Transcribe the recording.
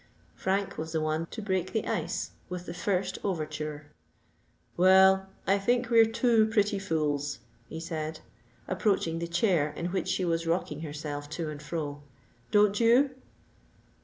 Frank was the one to break the ice with the first overture. "Well, I think we're two pretty fools," he said, approaching the chair in which she was rocking herself to and fro: "don't you?"